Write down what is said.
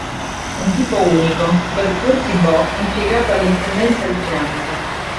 Un tipo unico, quel Curti Bo' impiegato all'Intendenza di Finanza.